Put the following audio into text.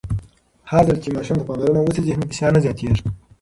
هرځل چې ماشوم ته پاملرنه وشي، ذهني فشار نه زیاتېږي.